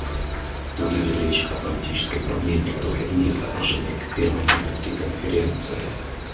Тут идет речь о политической проблеме, которая имеет отношение к перманентности Конференции.